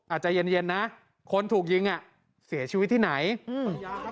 ใจเย็นเย็นนะคนถูกยิงอ่ะเสียชีวิตที่ไหนอืม